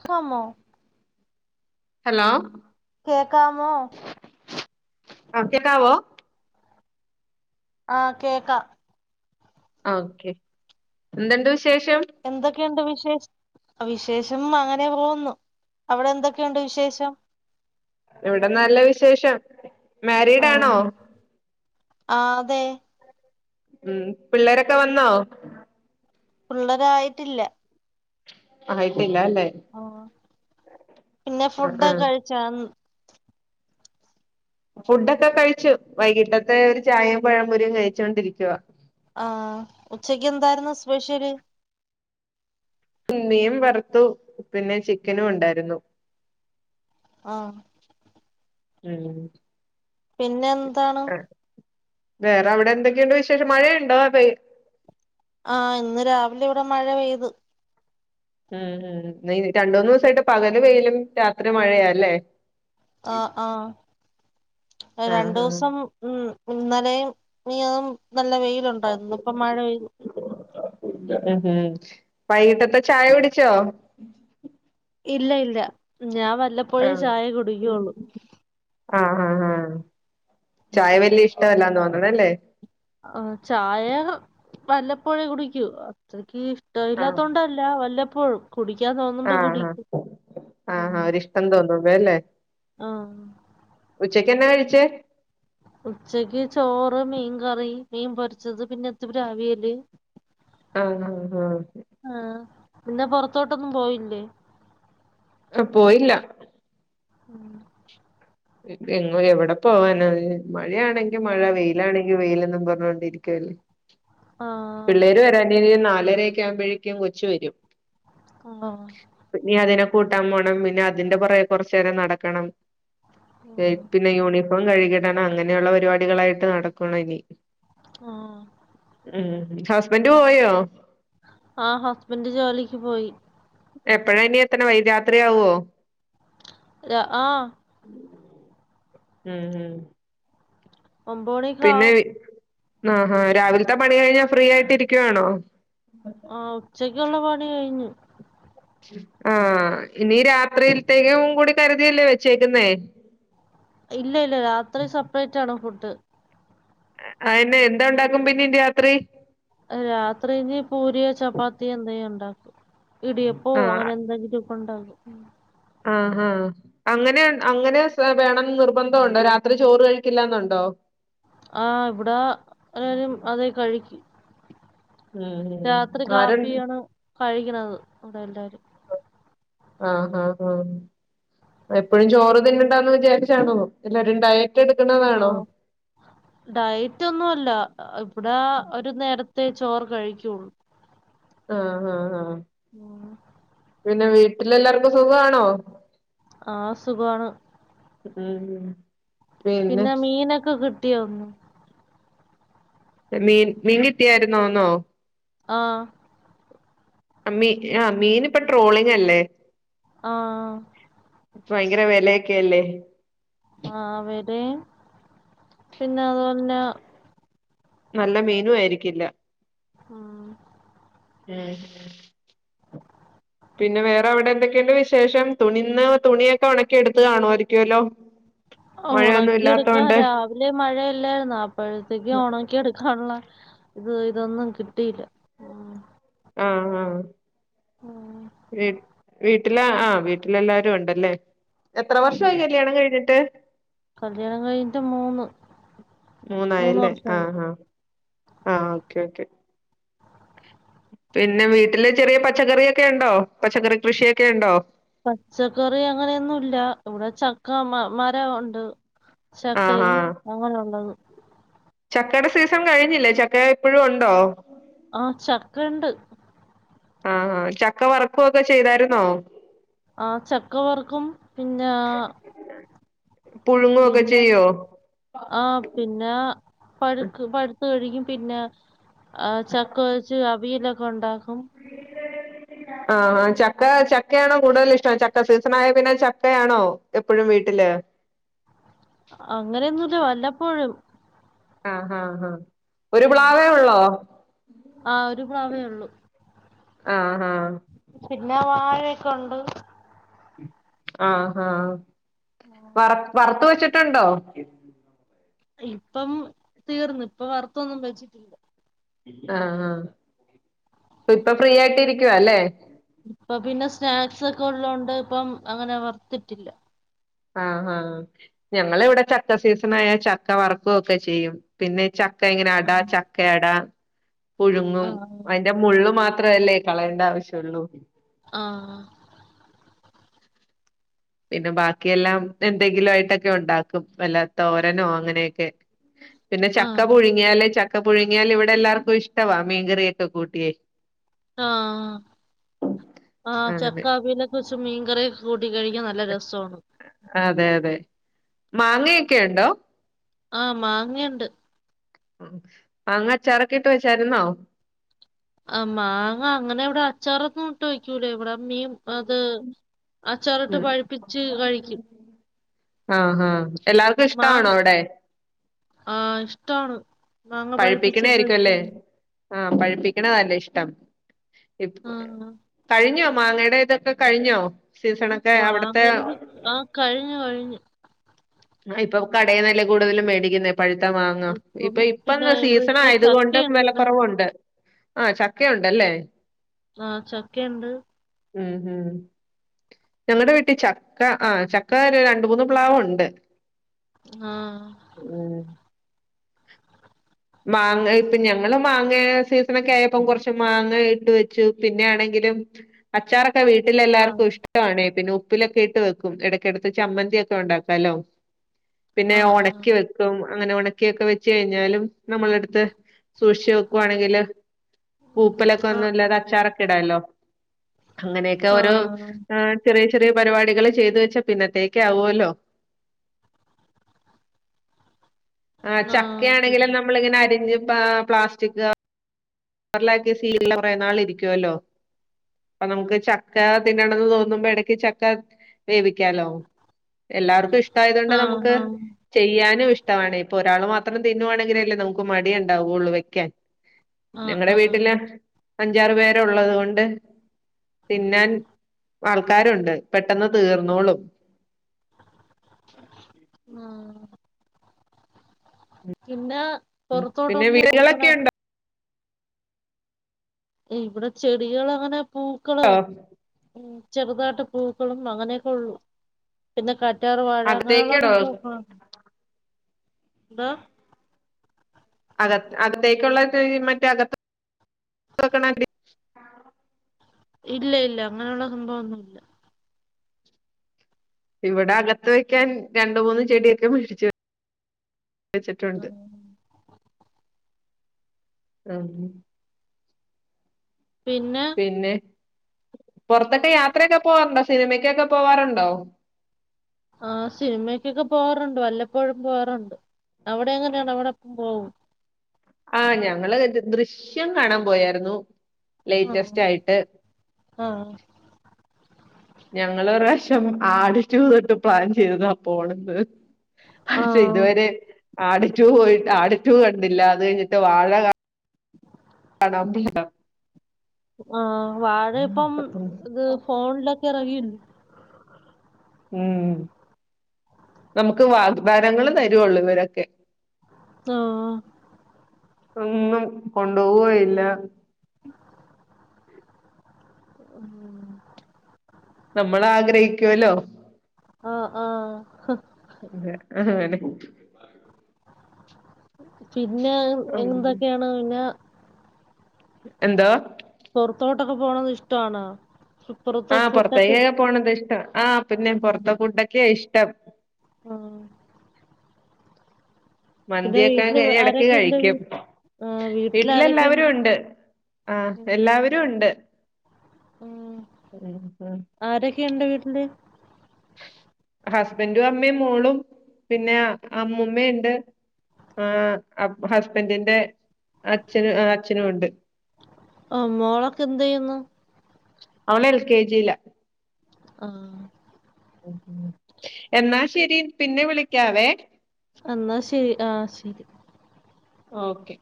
ഹമോ hello കേക്കാമോ അ കേക്കാവോ ആ കേക്ക ആ ഓക്കെ എന്തണ്ട് വി ശേഷം ണ്ട് വിശേഷ വിശേഷം അങ്ങനെ പോകുന്നു അവിടെ എന്തൊക്കെയുണ്ട് വിശേഷം ഇവിടെ നല്ല വിശേഷം മാരിഡാണോ ആ അതെ ഉം പിള്ളേരൊക്കെ വന്നോ പിള്ളരായിട്ടില്ല ആയിട് ആ പിന്നെ ആ ഫുഡൊക്കെ ആ കഴിച്ചാ ഫുഡൊക്കെ കഴിച്ചു വൈകിട്ടത്തെ ഒരു ചായയും പഴമ്പൊരിയും കഴിച്ചോണ്ടിരിക്കുവ ആ ഉച്ചക്ക് എന്തായിരുന്നു സ്പെഷ്യല് മീൻ വറുത്തു പിന്നെ ചിക്കനും ഉണ്ടായിരുന്നു ആ ഉം പിന്നെ താണ് ആ വേറെ അവിടെ എന്തൊക്കെയുണ്ട് വിശേഷം മഴയുണ്ടോ വെയി ആ ഇന്ന് രാവിലെ ഇവിടെ മഴ പെയ്തു ഉം ഉ വെയ്ല് രണ്ട് മൂന്ന് ദിവസമായിട്ട് പകല് വെയിലും രാത്രി മഴയാല്ലേ ആ ആ ആ രണ്ട് ആ ദിവസം ഉം ഇന്നലെയും മിനിയാന്നും നല്ല വെയിലുണ്ടായിരുന്നു ഇപ്പ മഴ പെയ്തു ഉം ഉം വൈകിട്ടത്തെ ചായ കുടിച്ചോ ഇല്ല ഇല്ല ഞാൻ വല്ലപ്പോഴേ ചായ കുടിക്കുള്ളൂ ആ ആആ ചായ വലിയ ഇഷ്ടമല്ലാന്ന് തോനാന്നുല്ലേ ആ ചായ വല്ലപ്പോഴേ കുടിക്കൂ അത്രയ്ക്ക് ഇഷ് ഇഷ്ട ഇലാത്തൊണ്ടല്ല വല്ല പ്പോഴും ആ ആ ഒരിഷ്ടം തോന്നുമ്പോ വേല്ലേ ആ ഉച്ചക്ക് എന്നാ കഴിച്ചേ ഉച്ചക്ക് ചോറ് മീൻ കറി മീൻ പൊരിച്ചത് പിന്നെ ഇത്പര് അവിയല് ആഹ് ആഹ ആഹ് ആഹ് പിന്നെ പുറത്തോട്ടൊന്നും പോയില്ലേ അ പോയില്ല ഉം എവിടെ പോവാന മഴയാ ആണെങ്കിൽ മഴ വെയിലാണെങ്കിൽ വെയിൽ പറഞ്ഞൊണ്ടിരിക്കുവല്ലേ ആഹ് പിള്ളേര് വരാൻ ഇനി രക്കെ ആവുമ്പോഴേക്കും കൊച്ചു വരും ഉണ്ട ഇനി [unintelligible] അതിനെ കൂട്ടാൻ പോണം പിന്നെ അതിന്റെ പുറകെ കുറച്ച നേരം നടക്കണം പിന്നെ യൂണിഫോം കഴുകി ഇട ടണം അങ്ങനെയുള്ള പരിപാടികളായിട്ട് നടക്കണം ഇനി ആഹ് ആഹ ഹുസ്ബൻറ് പോയോ ആ ഹസ്ബൻഡ് ജോലിക്ക് പോയി എപ്പഴാ ഇനി എത്ത ഇനി വൈ രാത്രിയാവുവോ അ ആഹ ഉ [inaudible] ഉം ഉം ഒമ്പത് മണിക്കാവും ആഹഹ രാവിലത്തെ പണി കഴിഞ്ഞാ ഫ്രീ ആയിട്ട് ഇരിക്കുവാണോ ആ ഉച്ചക്കുള്ള പണി കഴിഞ്ഞു ആഹ ഇനി രാത്രിയിലത്തേക്കും കൂടി കരുതില്ലേ വെച്ചേക്കുന്നേ ഇല്ല ഇല്ല രാത്രി സപ്രൈറ്റ് ആണ് ഫുഡ് ട് അയിഎന്താ ഉണ്ടാക്കും പിന്നെ രാത്രി രാത്രി ഇനി ഇടിയപ്പം അങ്ങനെ എന്താങ്കിലും ണ്ടാക്കും ആഹഹ അങ്ങനെ അങ്ങനെ വേണം നിർബന്ധുണ്ടോ രാത്രി ചോറ് കഴിക്കില്ലന്നുണ്ടോ ആ ഇവിട എല്ലാരും അതെ കഴിക്കൂ ഉം ആരെ കാപ്പിയാണ് കഴിക്കണത് അവിടെ എല്ലാരും ആഹ് ആഹ ആ എപ്പോഴും ചോറ് തിന്നണ്ടന്ന് വിചാരിച്ചാണോ എല്ലരുംണ്ടായേ ആഹ ഡയറ്റ് ഒന്നു അല്ല ഇവിടെ ഒരു നേര ത്തെ ചോറ് കഴിക്കുള്ളൂ ആഹ് ഹ ഹ ഉം പിന്നെ വീട്ടിലെല്ലാർക്കും സുഖമാണോ ആ സുഖാണ് ഉം പിന്നെ മീനൊക്കെ കിട്ട് ട്ടിയോ ഇന്ന്? മീൻ മീൻ കിട്ടിയാരുന്നോന്നോ? ആഹ് മീ ആ മീൻ ഇപ്പൊ ട്രോളിങ് അല്ലേ ആ ആഹ് ഭയങ്കര വിലയൊക്കെയല്ലേ ആ അവിടെം പിന്നെ അതുപോലന്നെ നല്ല മീനും ആയിരിക്കില്ല ആഹ് ഉം പിന്നെ വേറെ അവിടെ എന്തൊക്കെയുണ്ട് വിശേഷം തുണിന്ന് തുണിയൊക്കെ ഒണക്കി എടുത്ത് കാണുവായിരിക്കുവല്ലോ ആ ഒണക്കിയെടുക്കാൻ രാവിലെ മഴയക് ഇല്ലായിരുന്നോ അപ് അപ്പഴത്തേക്ക് ണക്കി എടുക്കാനൊള്ള ഇത് ഇതൊന്നും കിട്ടിയില്ല ഉം ആഹ് ആഹ് ഉം. [unintelligible] വീട്ടില ആ വീട്ടിലെല്ലാരും ഒണ്ടല്ലേ, എത്ര വർഷവായി കല്യാണം കഴിഞ്ഞിട്ട്? കല്യാണം കഴിഞ്ഞിട്ട് മൂന്ന് മൂന്ന് മൂന്നായല്ലേ വർഷമായി ആഹ് ആഹ് ആഹ് ഓക്കെ ഓക്കെ പിന്നെ വീട്ടില് ചെറിയ പച്ചക്കറിയൊക്കെ ഉണ്ടോ പച്ചക്കറി കൃഷിയൊക്കെ ഉണ്ടോ പച്ചക്കറി അങ്ങനെയൊന്നും ഇല്ല ഇവിടെ ചക്ക മ മരോണ്ട് ആഹ് ചക്കയും ആഹ് അങ്ങനെ ഒള്ളത് ചക്കയുടെ സീസൺ കഴിഞ്ഞില്ലേ ചക്ക ഇപ്പഴും ഒണ്ടോ ആ ചക്ക ഇണ്ട് ആഹ് ആഹ് ആ ചക്കവറുക്കുവൊക്കെ ചെയ്തായിരുന്നോ? ആ ചക്കവറുക്കും പിന്നാ പുഴുങ്ങുവൊക്കെ പിന്ന ചെയ്യോ ആ പിന്നാ പഴുക്കും പഴുത്ത് കഴിക്കും പിന്നാ ആ ചക്കവച്ച് അവിയല് ഒക് ഒണ്ടാക്കും ആഹ് ആഹ് ചക്ക ചക്കയാണോ കൂടുതൽ ഇഷ്ടം ചക്ക സീസണായ പിന്നെ ചക്കയാണോ എപ്പഴും വീട്ടില് അങ്ങനെയൊന്നുമില്ല വല്ലപ്പോഴും ആഹ് ആഹ് ആഹ് ഒരു ആ പ്ലാവേ ഉള്ളോ ആ ഒരു പ്ലാവേ ഒള്ളൂ ആഹ് ആഹ് പിന്നെ വാഴയൊക്കെ ഒണ്ട് ആഹ് ആഹ് വറക് വറത്ത് വെച്ചിട്ട് ട്ടണ്ടോ ഇപ്പം തീർന്ന് ഇപ്പ വറുത്തൊന്നും വച്ചിട്ടില്ല ആ അ ഇപ്പൊ ഫ്രീ ആയിട്ട് ഇരിക്കുവ അല്ലേ ഇപ്പൊ പിന്നെ സ്നാക്സ് ഒക്കെ ഉള്ളതൊണ്ട് ഇപ്പം അങ്ങനെ വർത്തിട്ടില്ല ആ ആ ഞങ്ങള് ഇവിടെ ചക്ക സീസൺ ആയാൽ ചക്ക വർക്ക ഒക്കെ ചെയ്യും പിന്നെ ച ചക്ക ഇങ്ങനെ അടാ ആഹ് ചക്ക അടാ പുഴുങ്ങും അതിന്റെ മുള്ള് മാത്രവല്ലേ കളയേണ്ട ആവശ്യവുള്ളൂ ആ പിന്നെ ബാക്കിയെല്ലാം എന്തെങ്കിലും ആയിട്ടൊക്കെ ഉണ്ടാക്കും വല്ലാ തോരനോ അങ്ങനെയൊക്കെ പിന്നെ ചക്ക ആഹ് പുഴുങ്ങിയാലേ ച ക്കെ പുഴങ്ങിയാൽ ഇവിടെ എല്ലർക്ക ഇഷ്ടവാ മീൻകറിയൊക്കെ കൂട്ടിയേ ആ ആ അങ്ങനെ ചക്ക അവിയൽഒക്കെ വച്ച മീൻ കറി കൂട്ടി കൂട്ടി കഴിക്കൻ നല്ല രസമാണ് അതെ അതെ മാങ്ങയൊക്കെ ഉണ്ടോ ആ മാങ്ങയുണ്ട് മാങ്ങ അച്ചാർ ഒക്കെ ഇട്ട് വെച്ചായിരുന്നോ ആ മാങ്ങ അങ്ങനെ ഇവിടെ അച്ചാറന്നും ഇട്ട് വയ്ക്കൂലേ ഇവിടെ അമ്മീ അത് അച്ചാറിട്ട് ഉം പഴിപ്പിച്ച് കഴിക്ക ആഹ് ആ എല്ലാർക്കും ഇഷ്ടമാണോ മാങ്ങ അവിടെ ട്ടാണ് മാങ്ങ പഴിപ്പിച്ചിട്ട കഴിക്ക ആ പഴിപ്പിക്കണ നല്ല ഇഷ്ടം ആഹ് കഴിഞ്ഞ മാങ്ങയുടെ ഇതൊക്കെ കഴിഞ്ഞോ സീസണൊക്കെ അവിടത്തെ മാങ്ങ ആ കഴിഞ്ഞു കഴിഞ്ഞു ഇപ്പൊ കടയിനല്ലേ കൂടുതലും മേടിക്കുന്ന പ്പഴുത്ത മാങ്ങ ഇപ്പം ഇപ്പൊ പിന്നെ ഇപ്പന്താ ഇവിടെ സീസൺ ഇപ്പൊ ആയത് കൊണ്ടും ചക്കയുണ്ട് ഇവിടെ വിലക്കുറവുണ്ട് ആ ചക്കയുണ്ടല്ലേ ആ ചക്കയുണ്ട് ഉം ഉം ഞങ്ങളടെ വീട്ടിൽ ചക്ക ആ ചക്ക രണ്ട് മൂന്ന് പ്ലാവുണ്ട് ആഹ ഉം മാങ്ങ ഇപ്പൊ ഞങ്ങള് മാങ്ങ സീസണൊക്കെ ആയപ്പോ കുറച്ച് മാങ്ങ ഇട്ട് വെച്ചു പിന്നെ ആണെങ്കിലും അച്ചാറൊക്കെ ആ വീട്ടിലെല്ലാർക്കും ഇഷ്ടമാണ് പിന്നെ ഉപ്പിലൊക്കെ ഇട്ട് വെക്കും ഇടയ്ക്കിടത്ത് ചമ്മന്തി ഒക്കെ ഉണ്ടാക്കാലോ പിന്നെ ആ ആ ഉണക്കി വെക്കും അങ്ങനെ ഉണക്കിയൊക്കെ വെച്ച് കഴിഞ്ഞാലും നമ്മള അടുത്ത്- സൂക്ഷിച്ച് വെക്കുവാണെങ്കില് പൂപ്പലൊക്കെ ആ ഒന്നുമല്ലാതെ അച്ചാറൊക്കെ ഇടാമല്ലോ അങ്ങനെയൊക്കെ ആ ഓരോ ചെറിയ ചെറിയ പരിപാടികൾ ചെയ്തു വെച്ചാ പിന്നത്തേക്ക്‌ ആവുമല്ലോ ആ ചക്കയാണെങ്കിലും നമ്മ- അരിഞ്ഞ് പ്ലാസ്റ്റിക് കവറിൽ ആക്കി [unintelligible] കുറേ നാൾ ഇരിക്കുവല്ലേ നമുക്ക് ചക്ക തിന്നണമെന്ന് തോന്നിയാൽ ചക്ക വേവിക്ക- ക്കാലോ എല്ലാവർക്കും ഇഷ്ടമായതു കൊണ്ട് ആ നമുക്ക് ആ ചെയ്യാനും ഇഷ്ട ഇഷ്ടമാണ് ഇപ്പോ ഒരാൾ മാത്രം തിന്നുവാണെങ്കിൽഅല്ലെ നമുക്ക് മടി ഉണ്ടാവുള്ളൂ വെക്കാൻ ആ ഞങ്ങളടെ ആ വീട്ടിലെ അഞ്ചാറ് പേരുള്ളത് കൊണ്ട് തിന്നാൻ ആൾക്കാരുണ്ട് പെട്ടെന്ന് തീർന്നോളും ആ [inaudible] പിന്ന- പിന്നെ വീടുകളൊക്കെ ഉണ്ടോ ഇവിടെ ചെടികൾ അങ്ങനെ പൂക്കള് ചെറുതാട്ട്പ്പൂക്കളും അങ്ങനെ ഉള്ളൂ പിന്നെ കാറ്റാർ വാഴ അങ്ങനെയുള്ള അകത്തേക്കടോ സംഭവക്ക [unintelligible] ആഹ അകത്തേക്കുള്ളത് മറ്റേ അകത്ത് വെക്കണ ഗ്രീൻ ഇല്ല ഇല്ല അങ്ങനെയുള്ള സംഭവമൊന്നുമല്ല ഇവിടെ അകത്ത് വെക്കാൻ രണ്ട് മൂന്ന് ചെടിയൊക്കെ മേടിച്ചു വെച്ചിട്ടുണ്ട് ആഹ [unintelligible] ആഹ പിന്നെ പിന്നെ പുറത്തൊക്കെ യാത്രയൊക്കെ പോവാറുണ്ടോ സിനിമക്കൊക്കെ പോവാറുണ്ടോ ആ സിനിമക്കൊക്കെ പോവാറുണ്ട് വല്ലപ്പോഴും പോകാറുണ്ട് അവിടെ എങ്ങനെയാണ് അവിടെപോകുമോ പോകുവൊ? ആഹ ഞങ്ങള് ദൃശ്യം കാണാൻ പോയായിരുന്നു ആഹ് ലേറ്റസ്റ്റ് ആയിട്ട്- ആഹ് ഞങ്ങള് ഒരു പ്രാവശ്യം ആട് ടു തൊട്ട് പ്ലാൻ ചെയ്തതാ പോണന്ന് ആഹ് ഇതുവരെ ആട് ടു പോയിട്ട് ആട് ആട് റ്റു കണ്ടിട്ടില്ല അത് കൈഞ്ഞിട്ട് വാഴ കാ [unintelligible] ആഹ വാഴ ഇപ്പം ഇത് ഫോണ്ലൊക്കെ എറങ്ങില്ല ഉം നമുക്ക് വാഗ്ദാനങ്ങളു തരുവൊള്ളു ഇവരൊക്കെ ആ ഒന്നും കൊണ്ടുപോയില്ല ഉം നമ്മളാഗ്രഹിക്കൂല്ലോ ആ ആ അതെ ആതന്നെ പിന്നെ ഉം എന്തൊക്കെയാണ് പിന്നെ എന്തോ പൊറത്തോട്ടൊക്കെ പോണത് ഇഷ്ടാണോ പുറത്ത് ആ ഫുഡൊക്കെ ഇഷ് പൊറത്തേക്കൊക്കെ പോണതിഷ്ടാ ആ പിന്നെ പൊർതെ ഫുഡൊക്കയ ഇഷ് ടപ് ആ മന്തിയൊക്കെ വീട്ടില് കേറി എടക് ആരൊക്കെയുണ്ട് കഴിക്കും ആഹ് വീട്ടില് വീട്ടിലെല്ലാവരും ആരൊക്കെയുണ്ട് ഉണ്ട് ആ എല്ലാവരും ഉണ്ട് ഉം ഉം ഉം ആര് യൊണ്ട് വീട്ടില് ഹസ്ബന്റും അമ്മേം മോളും പിന്നെ ആ അമ്മൂമ്മയിണ്ട് ആ അപ്പൊ ഹസ്ബന്റിന്റെ അച്ഛനു ആ അച്ഛനുവൊണ്ട് ആ മോളൊക്കെ എന്തെയുന്നു അവനെൽകേ ജിലാ ആ ഉം എന്നാ ശെരി പിന്നെ വിളിക്കാവേ അന്നാ ശെരി ആ ശെരി ഓക്കെ